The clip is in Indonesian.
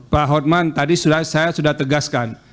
pak hotman tadi saya sudah tegaskan